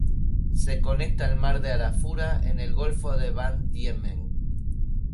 Se conecta el Mar de Arafura en el Golfo de Van Diemen.